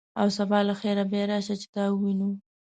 او سبا له خیره بیا راشه، چې تا ووینو.